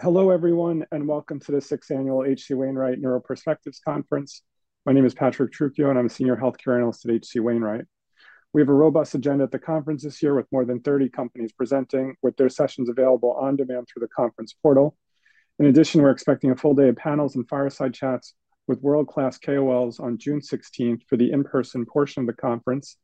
Hello, everyone, and welcome to the 6th Annual HC Wainwright Neuroperspectives Conference. My name is Patrick Trukio, and I'm a Senior Healthcare Analyst at HC Wainwright. We have a robust agenda at the conference this year, with more than 30 companies presenting, with their sessions available on demand through the conference portal. In addition, we're expecting a full day of panels and fireside chats with world-class KOLs on June 16th for the in-person portion of the conference,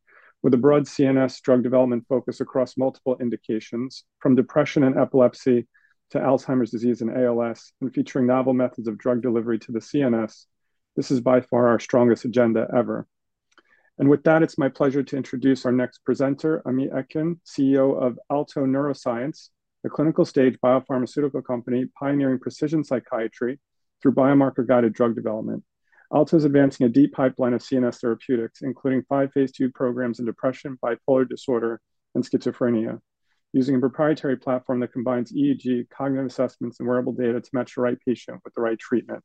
with a broad CNS drug development focus across multiple indications, from depression and epilepsy to Alzheimer's disease and ALS, and featuring novel methods of drug delivery to the CNS. This is by far our strongest agenda ever. With that, it's my pleasure to introduce our next presenter, Amit Etkin, CEO of Alto Neuroscience, a clinical stage biopharmaceutical company pioneering precision psychiatry through biomarker-guided drug development. Alto is advancing a deep pipeline of CNS therapeutics, including five phase II programs in depression, bipolar disorder, and schizophrenia, using a proprietary platform that combines EEG, cognitive assessments, and wearable data to match the right patient with the right treatment.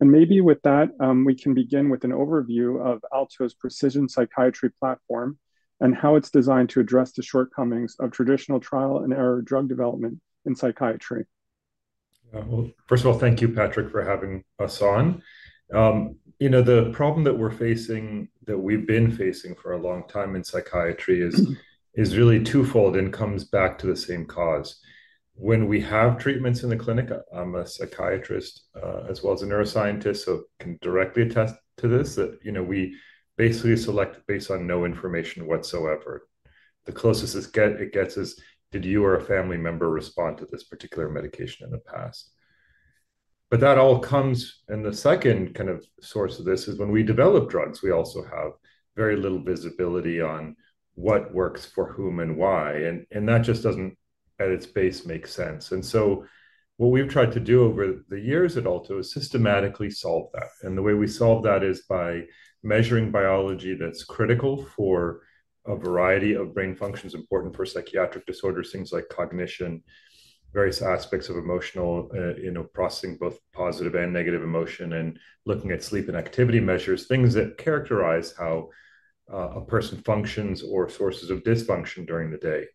Maybe with that, we can begin with an overview of Alto's precision psychiatry platform and how it's designed to address the shortcomings of traditional trial-and-error drug development in psychiatry. Yeah, first of all, thank you, Patrick, for having us on. You know, the problem that we're facing, that we've been facing for a long time in psychiatry, is really twofold and comes back to the same cause. When we have treatments in the clinic, I'm a psychiatrist as well as a neuroscientist, so I can directly attest to this, that, you know, we basically select based on no information whatsoever. The closest it gets is, did you or a family member respond to this particular medication in the past? That all comes, and the second kind of source of this is when we develop drugs, we also have very little visibility on what works for whom and why, and that just doesn't, at its base, make sense. What we've tried to do over the years at Alto is systematically solve that. The way we solve that is by measuring biology that's critical for a variety of brain functions important for psychiatric disorders, things like cognition, various aspects of emotional, you know, processing both positive and negative emotion, and looking at sleep and activity measures, things that characterize how a person functions or sources of dysfunction during the day.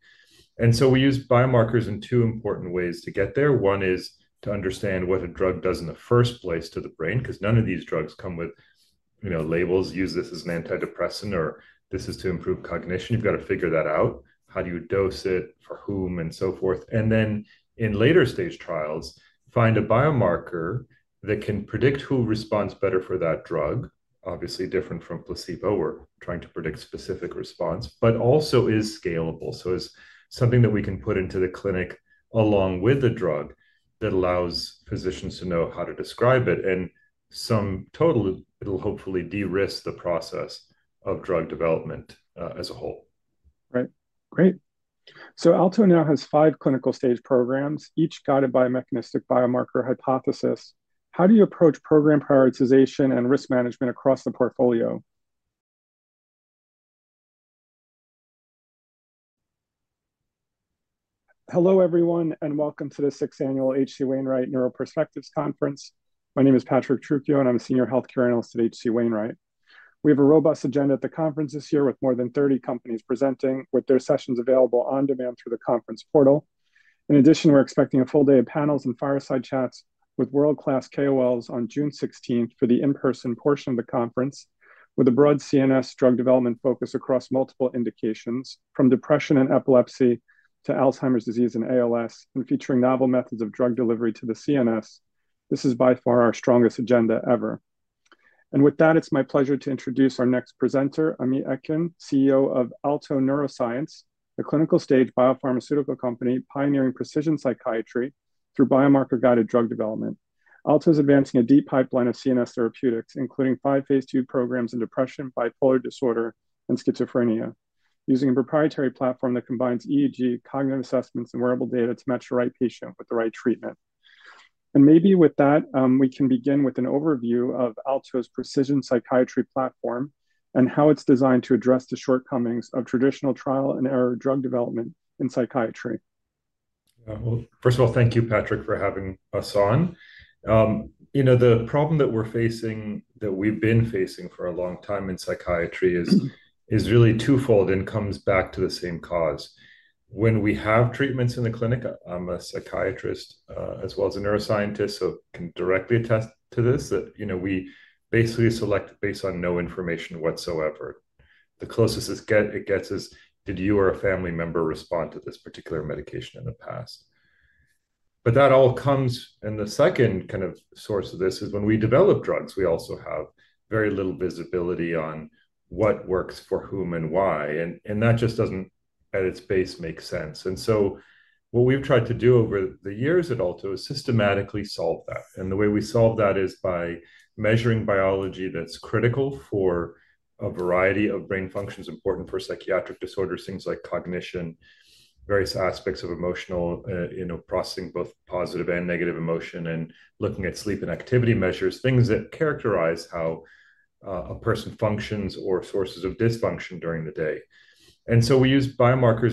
We use biomarkers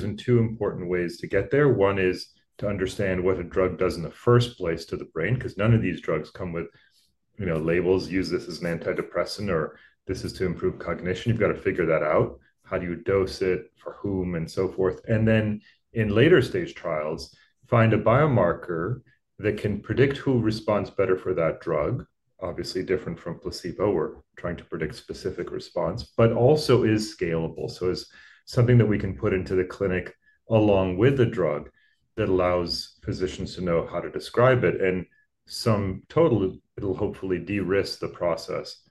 in two important ways to get there. One is to understand what a drug does in the first place to the brain, because none of these drugs come with, you know, labels, use this as an antidepressant, or this is to improve cognition. You've got to figure that out. How do you dose it, for whom, and so forth? In later stage trials, find a biomarker that can predict who responds better for that drug, obviously different from placebo. We're trying to predict specific response, but also is scalable. It is something that we can put into the clinic along with the drug that allows physicians to know how to describe it. In sum total, it'll hopefully de-risk the process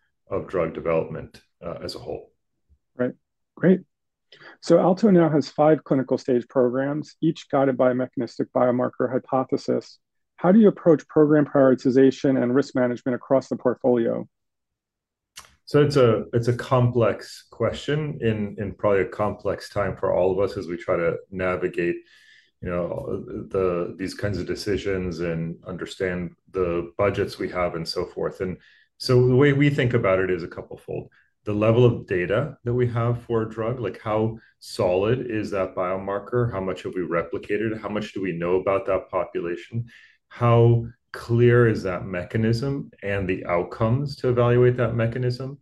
The way we think about it is a couple fold. The level of data that we have for a drug, like how solid is that biomarker? How much have we replicated it? How much do we know about that population? How clear is that mechanism and the outcomes to evaluate that mechanism?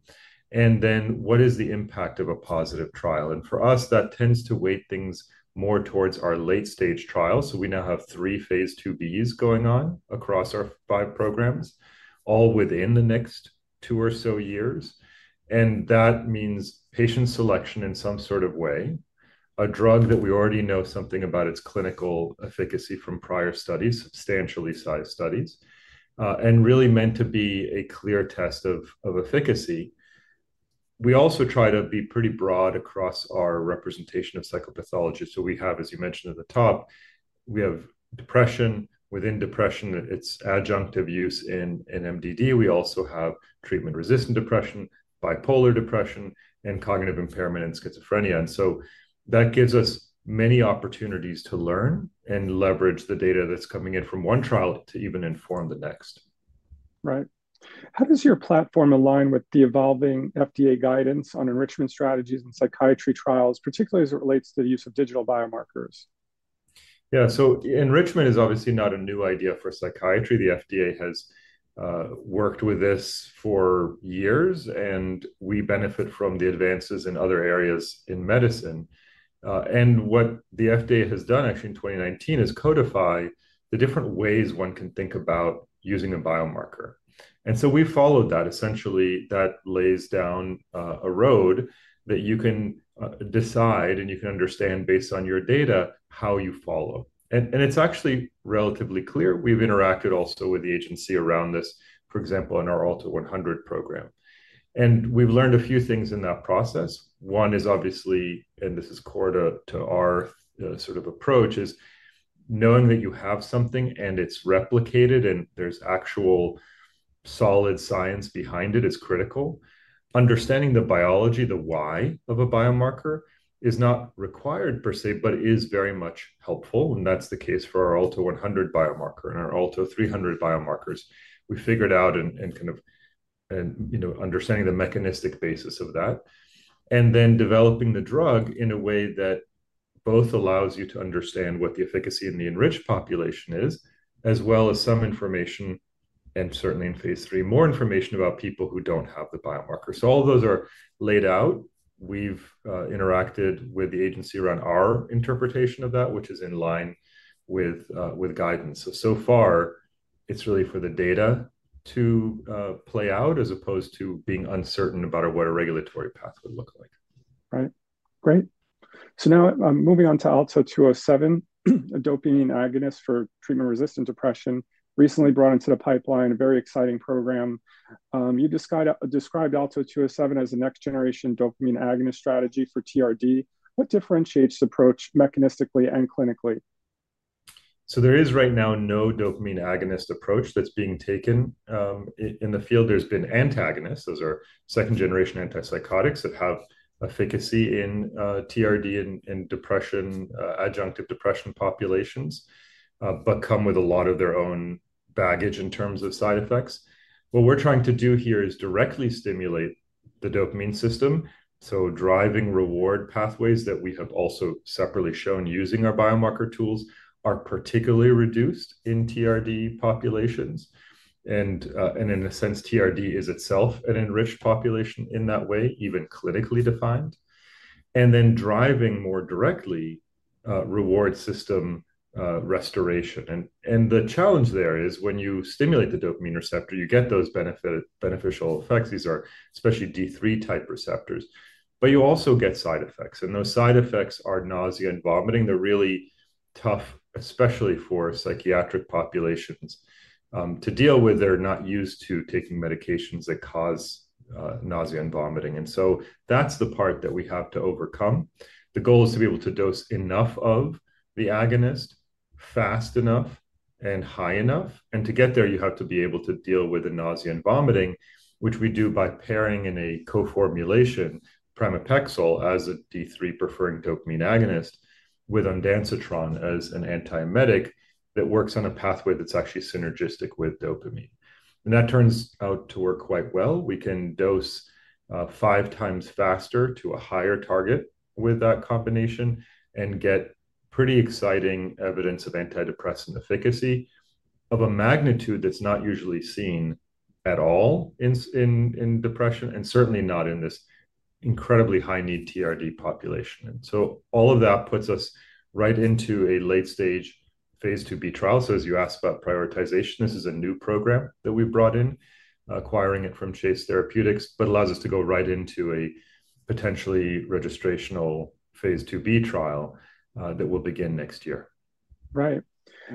What is the impact of a positive trial? For us, that tends to weight things more towards our late stage trials. We now have three phase IIBs going on across our five programs, all within the next two or so years. That means patient selection in some sort of way, a drug that we already know something about its clinical efficacy from prior studies, substantially sized studies, and really meant to be a clear test of efficacy. We also try to be pretty broad across our representation of psychopathology. We have, as you mentioned at the top, we have depression, within depression, its adjunctive use in MDD. We also have treatment-resistant depression, bipolar depression, and cognitive impairment and schizophrenia. That gives us many opportunities to learn and leverage the data that's coming in from one trial to even inform the next. Right. How does your platform align with the evolving FDA guidance on enrichment strategies in psychiatry trials, particularly as it relates to the use of digital biomarkers? Yeah, enrichment is obviously not a new idea for psychiatry. The FDA has worked with this for years, and we benefit from the advances in other areas in medicine. What the FDA has done, actually in 2019, is codify the different ways one can think about using a biomarker. We followed that. Essentially, that lays down a road that you can decide, and you can understand based on your data how you follow. It's actually relatively clear. We've interacted also with the agency around this, for example, in our Alto 100 program. We've learned a few things in that process. One is obviously, and this is core to our sort of approach, knowing that you have something and it's replicated and there's actual solid science behind it is critical. Understanding the biology, the why of a biomarker is not required per se, but is very much helpful. That's the case for our Alto 100 biomarker and our Alto 300 biomarkers. We figured out and kind of, you know, understanding the mechanistic basis of that, and then developing the drug in a way that both allows you to understand what the efficacy in the enriched population is, as well as some information, and certainly in phase III, more information about people who don't have the biomarker. All of those are laid out. We've interacted with the agency around our interpretation of that, which is in line with guidance. It's really for the data to play out as opposed to being uncertain about what a regulatory path would look like. Right, great. Now I'm moving on to Alto 207, a Dopamine agonist for treatment-resistant depression, recently brought into the pipeline, a very exciting program. You described Alto 207 as a next-generation dopamine agonist strategy for TRD. What differentiates the approach mechanistically and clinically? There is right now no dopamine agonist approach that's being taken. In the field, there's been antagonists. Those are second-generation antipsychotics that have efficacy in TRD and depression, adjunctive depression populations, but come with a lot of their own baggage in terms of side effects. What we're trying to do here is directly stimulate the dopamine system. Driving reward pathways that we have also separately shown using our biomarker tools are particularly reduced in TRD populations. In a sense, TRD is itself an enriched population in that way, even clinically defined. Driving more directly reward system restoration. The challenge there is when you stimulate the dopamine receptor, you get those beneficial effects. These are especially D3 type receptors. You also get side effects. Those side effects are nausea and vomiting. They're really tough, especially for psychiatric populations. To deal with, they're not used to taking medications that cause nausea and vomiting. That is the part that we have to overcome. The goal is to be able to dose enough of the agonist, fast enough, and high enough. To get there, you have to be able to deal with the nausea and vomiting, which we do by pairing in a co-formulation, pramipexole as a D3 preferring dopamine agonist with ondansetron as an antiemetic that works on a pathway that is actually synergistic with dopamine. That turns out to work quite well. We can dose five times faster to a higher target with that combination and get pretty exciting evidence of antidepressant efficacy of a magnitude that is not usually seen at all in depression, and certainly not in this incredibly high need TRD population. All of that puts us right into a late stage phase IIB trial. As you asked about prioritization, this is a new program that we've brought in, acquiring it from Chase Therapeutics, but allows us to go right into a potentially registrational phase IIB trial that will begin next year. Right.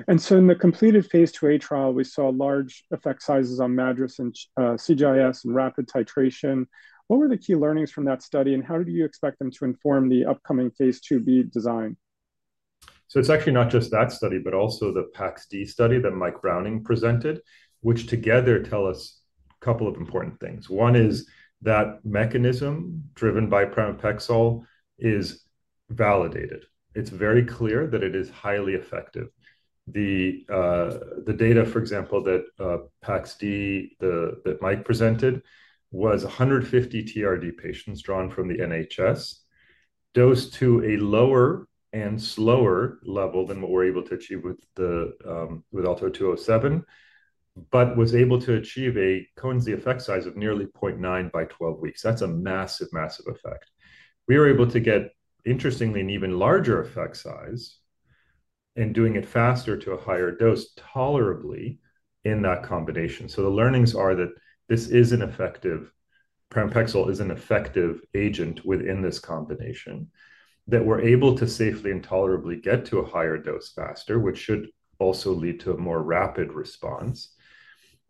In the completed phase IIA trial, we saw large effect sizes on MADRS and CGI-S and rapid titration. What were the key learnings from that study, and how do you expect them to inform the upcoming phase IIB design? It's actually not just that study, but also the PAXD study that Mike Browning presented, which together tell us a couple of important things. One is that mechanism driven by pramipexole is validated. It's very clear that it is highly effective. The data, for example, that PAXD that Mike presented was 150 TRD patients drawn from the NHS, dosed to a lower and slower level than what we're able to achieve with Alto 207, but was able to achieve a Cohen's D effect size of nearly 0.9 by 12 weeks. That's a massive, massive effect. We were able to get, interestingly, an even larger effect size and doing it faster to a higher dose tolerably in that combination. The learnings are that this is an effective pramipexole is an effective agent within this combination, that we're able to safely and tolerably get to a higher dose faster, which should also lead to a more rapid response.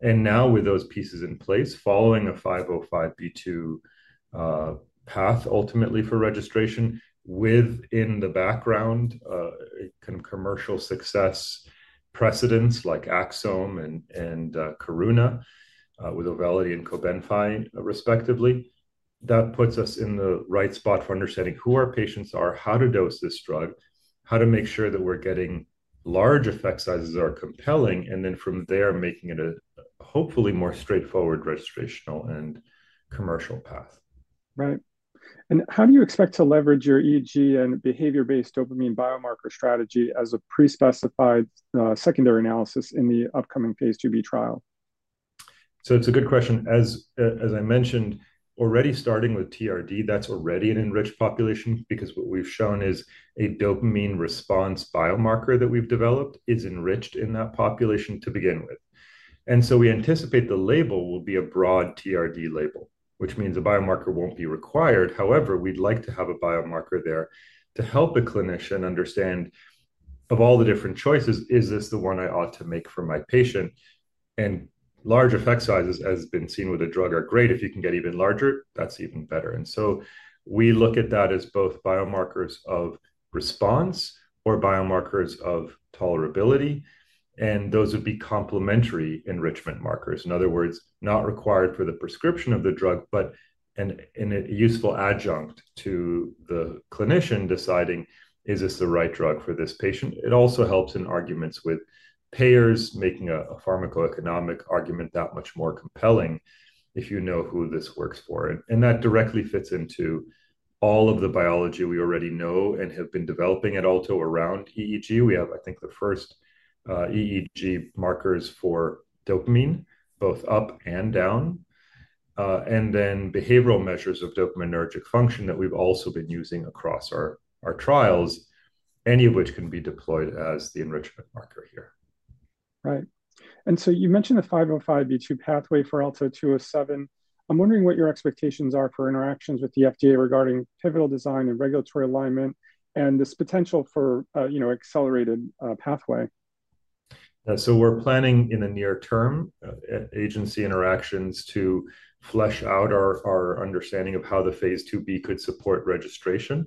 Now with those pieces in place, following a 505(b)(2) path ultimately for registration, within the background, kind of commercial success precedents like Axsome and Karuna with Auvelity and Cobenfy respectively, that puts us in the right spot for understanding who our patients are, how to dose this drug, how to make sure that we're getting large effect sizes that are compelling, and then from there making it a hopefully more straightforward registrational and commercial path. Right. How do you expect to leverage your EEG and behavior-based dopamine biomarker strategy as a pre-specified secondary analysis in the upcoming phase IIB trial? It's a good question. As I mentioned, already starting with TRD, that's already an enriched population because what we've shown is a dopamine response biomarker that we've developed is enriched in that population to begin with. We anticipate the label will be a broad TRD label, which means a biomarker won't be required. However, we'd like to have a biomarker there to help a clinician understand of all the different choices, is this the one I ought to make for my patient? Large effect sizes, as has been seen with a drug, are great. If you can get even larger, that's even better. We look at that as both biomarkers of response or biomarkers of tolerability. Those would be complementary enrichment markers. In other words, not required for the prescription of the drug, but a useful adjunct to the clinician deciding, is this the right drug for this patient? It also helps in arguments with payers, making a pharmacoeconomic argument that much more compelling if you know who this works for. That directly fits into all of the biology we already know and have been developing at Alto around EEG. We have, I think, the first EEG markers for dopamine, both up and down. Then behavioral measures of dopaminergic function that we've also been using across our trials, any of which can be deployed as the enrichment marker here. Right. You mentioned the 505(b)(2) pathway for Alto 207. I'm wondering what your expectations are for interactions with the FDA regarding pivotal design and regulatory alignment and this potential for, you know, accelerated pathway. We're planning in the near term agency interactions to flesh out our understanding of how the phase IIB could support registration.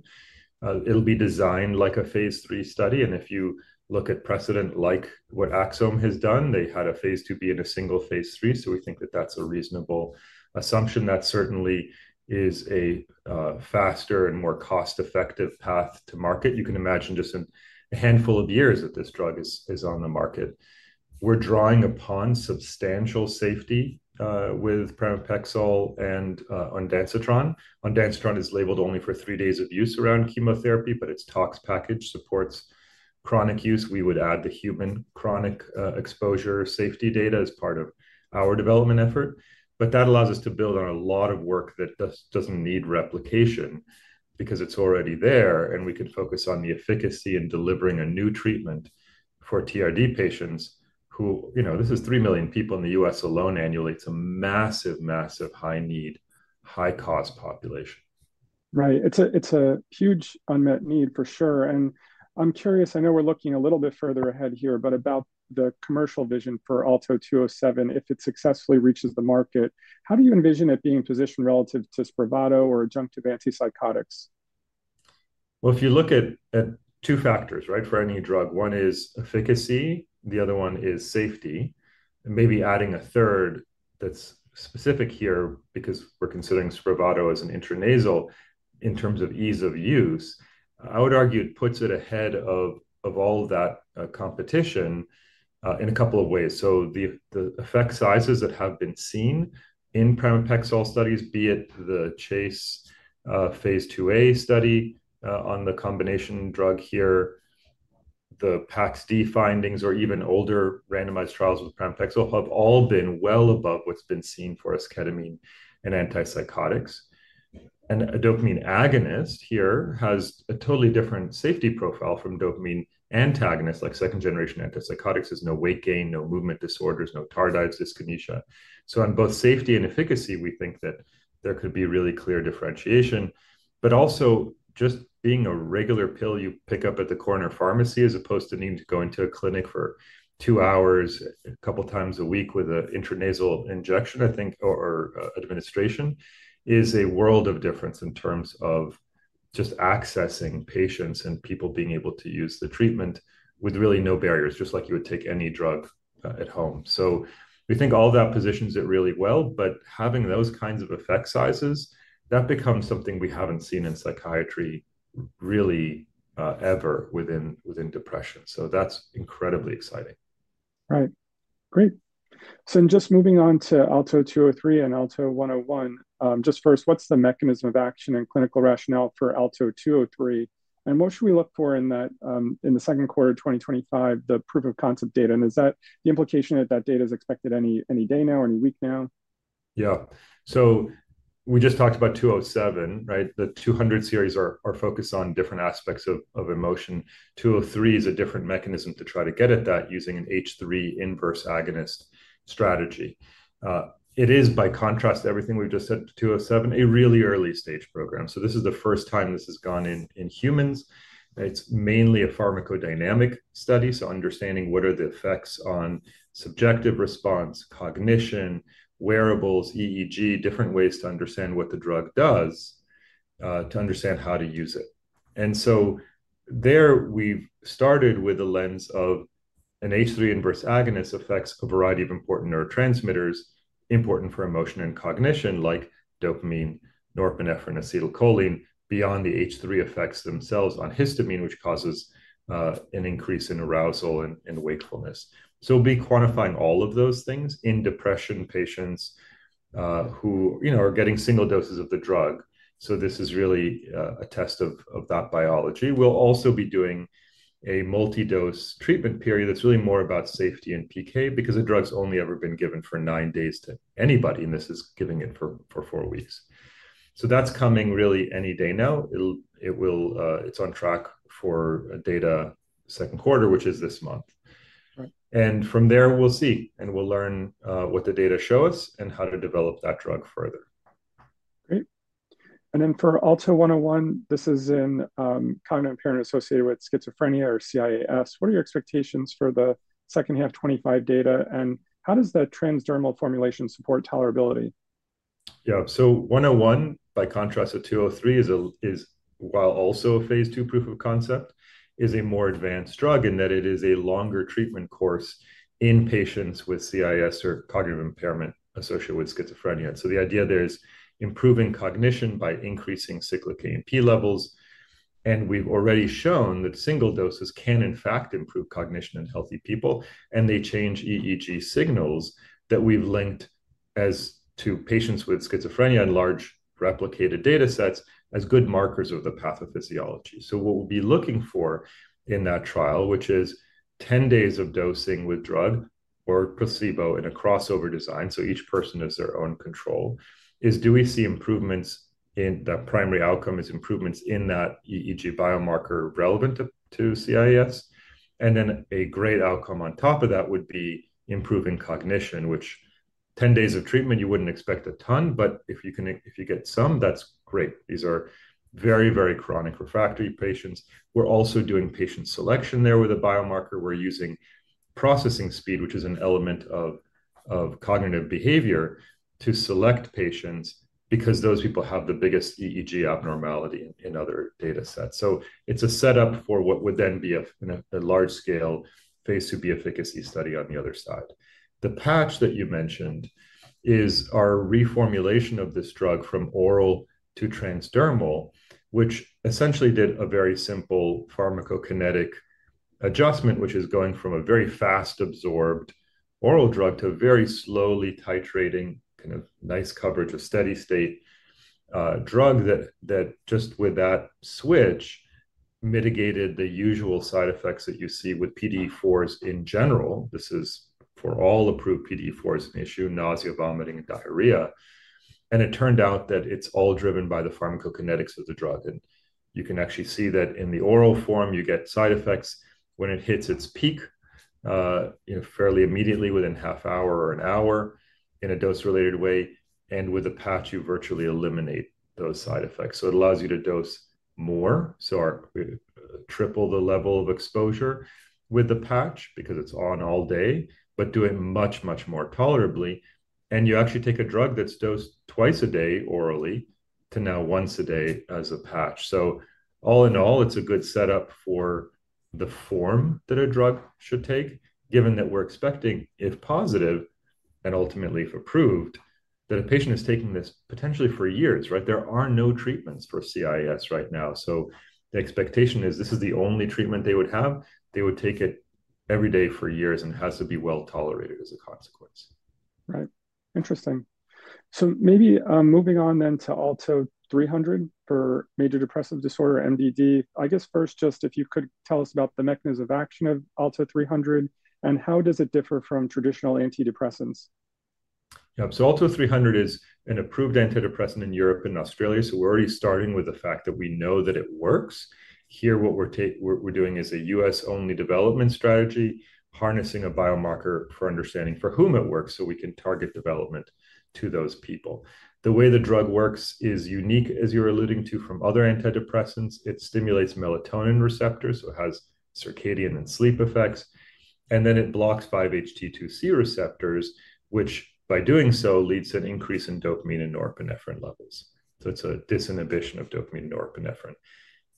It'll be designed like a phaseIII study. If you look at precedent like what Axsome has done, they had a phaseIIB and a single phaseIII. We think that that's a reasonable assumption. That certainly is a faster and more cost-effective path to market. You can imagine just a handful of years that this drug is on the market. We're drawing upon substantial safety with pramipexole and ondansetron. Ondansetron is labeled only for three days of use around chemotherapy, but its tox package supports chronic use. We would add the human chronic exposure safety data as part of our development effort. That allows us to build on a lot of work that doesn't need replication because it's already there. We can focus on the efficacy in delivering a new treatment for TRD patients who, you know, this is 3 million people in the U.S. alone annually. It's a massive, massive high need, high cause population. Right. It's a huge unmet need for sure. I'm curious, I know we're looking a little bit further ahead here, but about the commercial vision for Alto 207, if it successfully reaches the market, how do you envision it being positioned relative to Spravato or adjunctive antipsychotics? If you look at two factors, right, for any drug, one is efficacy, the other one is safety. Maybe adding a third that's specific here because we're considering Spravato as an intranasal in terms of ease of use, I would argue it puts it ahead of all that competition in a couple of ways. The effect sizes that have been seen in pramipexole studies, be it the Chase phase IIA study on the combination drug here, the PAXD findings, or even older randomized trials with pramipexole, have all been well above what's been seen for esketamine and antipsychotics. A dopamine agonist here has a totally different safety profile from dopamine antagonists like second-generation antipsychotics. There's no weight gain, no movement disorders, no tardive dyskinesia. On both safety and efficacy, we think that there could be really clear differentiation. But also just being a regular pill you pick up at the corner pharmacy as opposed to needing to go into a clinic for two hours a couple of times a week with an intranasal injection, I think, or administration is a world of difference in terms of just accessing patients and people being able to use the treatment with really no barriers, just like you would take any drug at home. We think all that positions it really well, but having those kinds of effect sizes, that becomes something we have not seen in psychiatry really ever within depression. That is incredibly exciting. Right. Great. Just moving on to Alto 203 and Alto 101, just first, what's the mechanism of action and clinical rationale for Alto 203? What should we look for in the second quarter of 2025, the proof of concept data? Is that the implication that that data is expected any day now, any week now? Yeah. So we just talked about 207, right? The 200 series are focused on different aspects of emotion. 203 is a different mechanism to try to get at that using an H3 inverse agonist strategy. It is, by contrast to everything we've just said, 207, a really early stage program. This is the first time this has gone in humans. It's mainly a pharmacodynamic study. So understanding what are the effects on subjective response, cognition, wearables, EEG, different ways to understand what the drug does, to understand how to use it. There we've started with a lens of an H3 inverse agonist affects a variety of important neurotransmitters important for emotion and cognition like dopamine, norepinephrine, acetylcholine, beyond the H3 effects themselves on histamine, which causes an increase in arousal and wakefulness. We'll be quantifying all of those things in depression patients who, you know, are getting single doses of the drug. This is really a test of that biology. We'll also be doing a multi-dose treatment period that's really more about safety and PK because the drug's only ever been given for nine days to anybody, and this is giving it for four weeks. That's coming really any day now. It's on track for data second quarter, which is this month. From there, we'll see and we'll learn what the data show us and how to develop that drug further. Great. For Alto 101, this is in cognitive impairment associated with schizophrenia or CIAS. What are your expectations for the second half 2025 data? How does the transdermal formulation support tolerability? Yeah. So 101, by contrast to 203, is, while also a phase II proof of concept, a more advanced drug in that it is a longer treatment course in patients with CIAS or cognitive impairment associated with schizophrenia. The idea there is improving cognition by increasing cyclic AMP levels. We've already shown that single doses can in fact improve cognition in healthy people. They change EEG signals that we've linked to patients with schizophrenia in large replicated data sets as good markers of the pathophysiology. What we'll be looking for in that trial, which is 10 days of dosing with drug or placebo in a crossover design, so each person is their own control, is do we see improvements in that primary outcome, which is improvements in that EEG biomarker relevant to CIAS? A great outcome on top of that would be improving cognition, which 10 days of treatment, you would not expect a ton, but if you get some, that is great. These are very, very chronic refractory patients. We are also doing patient selection there with a biomarker. We are using processing speed, which is an element of cognitive behavior, to select patients because those people have the biggest EEG abnormality in other data sets. It is a setup for what would then be a large-scale phase II B efficacy study on the other side. The patch that you mentioned is our reformulation of this drug from oral to transdermal, which essentially did a very simple pharmacokinetic adjustment, which is going from a very fast absorbed oral drug to a very slowly titrating kind of nice coverage of steady state drug that just with that switch mitigated the usual side effects that you see with PDE4s in general. This is for all approved PDE4s an issue, nausea, vomiting, and diarrhea. It turned out that it's all driven by the pharmacokinetics of the drug. You can actually see that in the oral form, you get side effects when it hits its peak fairly immediately within half an hour or an hour in a dose-related way. With a patch, you virtually eliminate those side effects. It allows you to dose more, so triple the level of exposure with the patch because it is on all day, but do it much, much more tolerably. You actually take a drug that is dosed twice a day orally to now once a day as a patch. All in all, it is a good setup for the form that a drug should take, given that we are expecting, if positive and ultimately if approved, that a patient is taking this potentially for years, right? There are no treatments for CIAS right now. The expectation is this is the only treatment they would have. They would take it every day for years and it has to be well tolerated as a consequence. Right. Interesting. Maybe moving on then to Alto 300 for major depressive disorder, MDD. I guess first, just if you could tell us about the mechanism of action of Alto 300 and how does it differ from traditional antidepressants? Yeah. Alto 300 is an approved antidepressant in Europe and Australia. We're already starting with the fact that we know that it works. Here, what we're doing is a US-only development strategy, harnessing a biomarker for understanding for whom it works so we can target development to those people. The way the drug works is unique, as you're alluding to, from other antidepressants. It stimulates melatonin receptors, so it has circadian and sleep effects. It blocks 5-HT2C receptors, which by doing so leads to an increase in dopamine and norepinephrine levels. It's a disinhibition of dopamine and norepinephrine.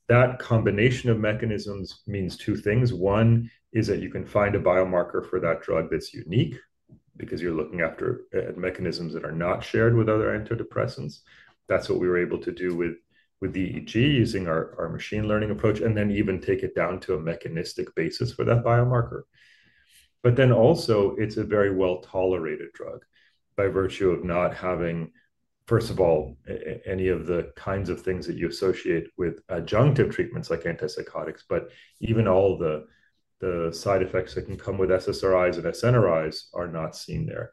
That combination of mechanisms means two things. One is that you can find a biomarker for that drug that's unique because you're looking after mechanisms that are not shared with other antidepressants. That's what we were able to do with the EEG using our machine learning approach and then even take it down to a mechanistic basis for that biomarker. It is a very well-tolerated drug by virtue of not having, first of all, any of the kinds of things that you associate with adjunctive treatments like antipsychotics, but even all the side effects that can come with SSRIs and SNRIs are not seen there.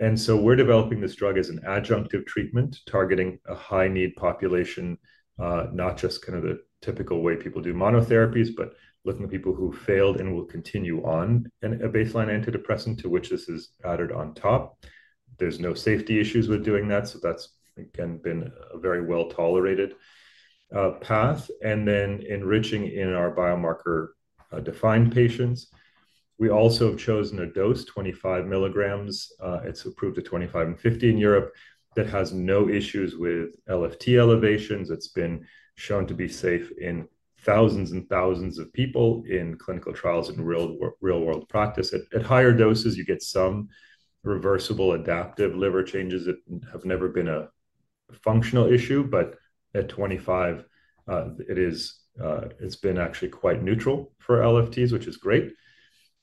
We are developing this drug as an adjunctive treatment targeting a high-need population, not just kind of the typical way people do monotherapies, but looking at people who failed and will continue on a baseline antidepressant to which this is added on top. There are no safety issues with doing that. That has again been a very well-tolerated path. Enriching in our biomarker-defined patients, we also have chosen a dose, 25 milligrams. It's approved to 25 and 50 in Europe that has no issues with LFT elevations. It's been shown to be safe in thousands and thousands of people in clinical trials in real-world practice. At higher doses, you get some reversible adaptive liver changes that have never been a functional issue, but at 25, it's been actually quite neutral for LFTs, which is great.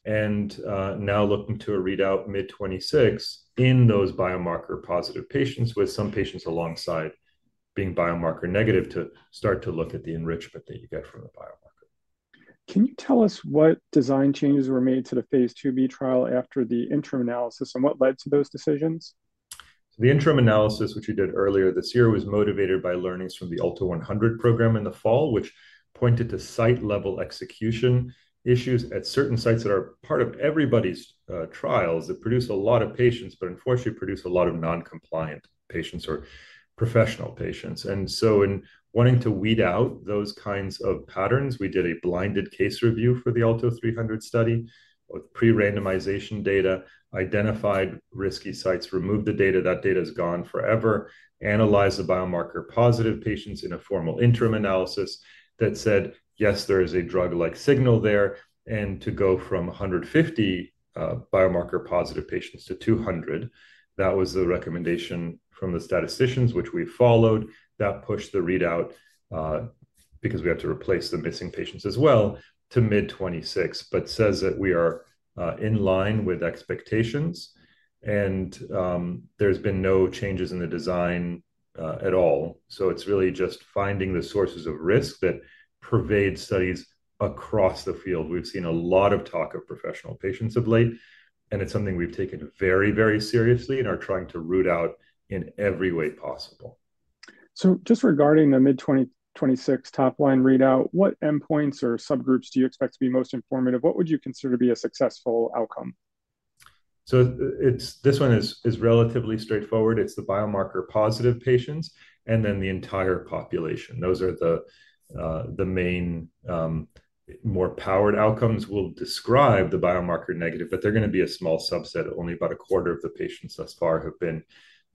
Now looking to a readout mid-2026 in those biomarker-positive patients with some patients alongside being biomarker negative to start to look at the enrichment that you get from the biomarker. Can you tell us what design changes were made to the phase IIB trial after the interim analysis and what led to those decisions? The interim analysis, which we did earlier this year, was motivated by learnings from the Alto 100 program in the fall, which pointed to site-level execution issues at certain sites that are part of everybody's trials that produce a lot of patients, but unfortunately produce a lot of non-compliant patients or professional patients. In wanting to weed out those kinds of patterns, we did a blinded case review for the Alto 300 study with pre-randomization data, identified risky sites, removed the data, that data is gone forever, analyzed the biomarker-positive patients in a formal interim analysis that said, yes, there is a drug-like signal there. To go from 150 biomarker-positive patients to 200, that was the recommendation from the statisticians, which we followed. That pushed the readout because we had to replace the missing patients as well to mid-2026, but says that we are in line with expectations. There have been no changes in the design at all. It is really just finding the sources of risk that pervade studies across the field. We have seen a lot of talk of professional patients of late, and it is something we have taken very, very seriously and are trying to root out in every way possible. Just regarding the mid-2026 top line readout, what endpoints or subgroups do you expect to be most informative? What would you consider to be a successful outcome? This one is relatively straightforward. It's the biomarker-positive patients and then the entire population. Those are the main more powered outcomes. We'll describe the biomarker negative, but they're going to be a small subset. Only about a quarter of the patients thus far have been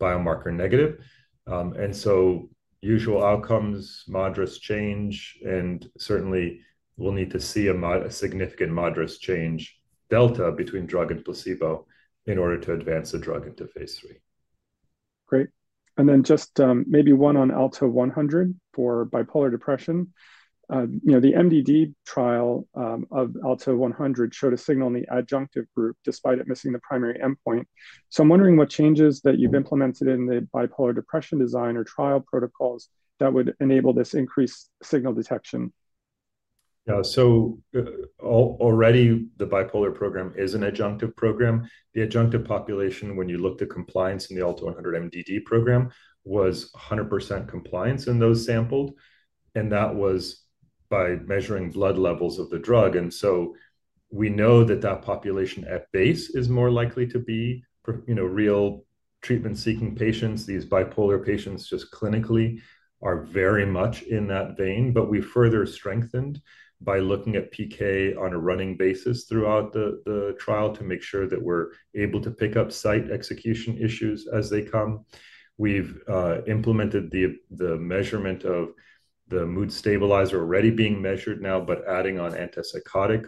biomarker negative. Usual outcomes, moderate change, and certainly we'll need to see a significant moderate change delta between drug and placebo in order to advance the drug into phase III. Great. Maybe one on Alto 100 for bipolar depression. The MDD trial of Alto 100 showed a signal in the adjunctive group despite it missing the primary endpoint. I'm wondering what changes that you've implemented in the bipolar depression design or trial protocols that would enable this increased signal detection. Yeah. Already the bipolar program is an adjunctive program. The adjunctive population, when you looked at compliance in the Alto 100 MDD program, was 100% compliance in those sampled. That was by measuring blood levels of the drug. We know that that population at base is more likely to be real treatment-seeking patients. These bipolar patients just clinically are very much in that vein, but we further strengthened by looking at PK on a running basis throughout the trial to make sure that we're able to pick up site execution issues as they come. We've implemented the measurement of the mood stabilizer already being measured now, but adding on antipsychotic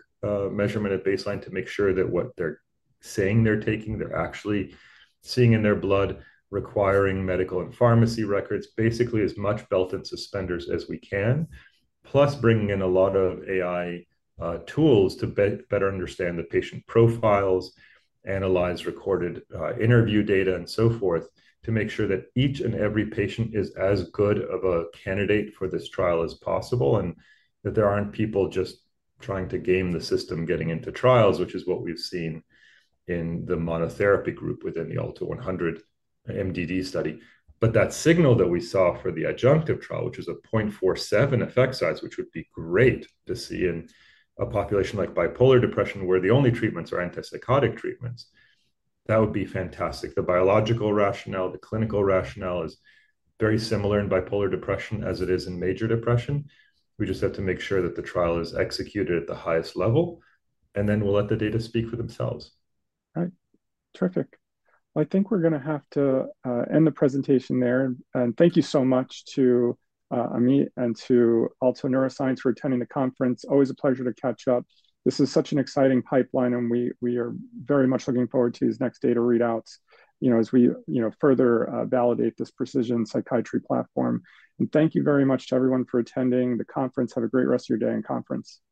measurement at baseline to make sure that what they're saying they're taking, they're actually seeing in their blood, requiring medical and pharmacy records, basically as much belt and suspenders as we can, plus bringing in a lot of AI tools to better understand the patient profiles, analyze recorded interview data, and so forth to make sure that each and every patient is as good of a candidate for this trial as possible and that there aren't people just trying to game the system getting into trials, which is what we've seen in the monotherapy group within the Alto 100 MDD study. That signal that we saw for the adjunctive trial, which is a 0.47 effect size, which would be great to see in a population like bipolar depression where the only treatments are antipsychotic treatments, that would be fantastic. The biological rationale, the clinical rationale is very similar in bipolar depression as it is in major depression. We just have to make sure that the trial is executed at the highest level, and then we'll let the data speak for themselves. All right. Terrific. I think we're going to have to end the presentation there. Thank you so much to Amit and to Alto Neuroscience for attending the conference. Always a pleasure to catch up. This is such an exciting pipeline, and we are very much looking forward to these next data readouts as we further validate this precision psychiatry platform. Thank you very much to everyone for attending the conference. Have a great rest of your day in conference. Great.